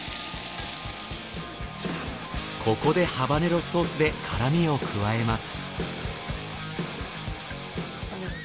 ここでハバネロソースで辛味を加えます。